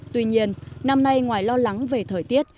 tuy nhiên năm nay ngoài lo lắng về thời tiết